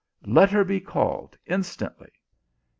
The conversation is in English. " Let her be called instantly."